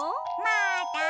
まだ！